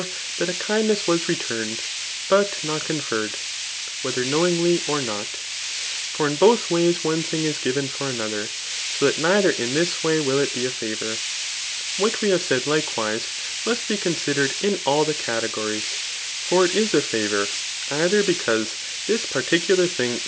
that a Ubdiie^ , wbis returned, but not conferred, whether knowingly or not ; for i» both ways one thing^is givea foe. another ;\ aolhat tuAhef in t&is way will it be a favour. What wehasf aaid likewise^ must be omsidered in all the; categorieiL iisr ir isiwftfrotir^ either^beiiaiffie this .particular thing.